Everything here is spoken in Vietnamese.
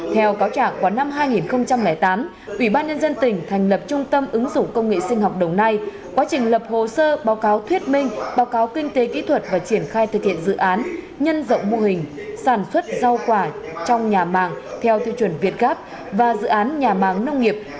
theo cáo trả năm hai nghìn tám ủy ban nhân dân tỉnh thành lập trung tâm ứng dụng công nghệ sinh học đồng nai quá trình lập hồ sơ báo cáo thuyết minh báo cáo kinh tế kỹ thuật và triển khai thực hiện dự án nhân rộng mô hình sản xuất rau quả trong nhà màng theo tiêu chuẩn việt gáp và dự án nhà màng nông nghiệp